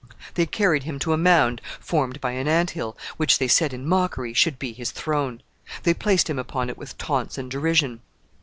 They carried him to a mound formed by an ant hill, which they said, in mockery, should be his throne. They placed him upon it with taunts and derision.